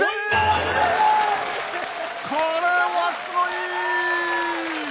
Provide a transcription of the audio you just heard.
これはすごい！